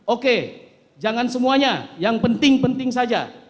oke jangan semuanya yang penting penting saja